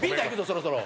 そろそろ。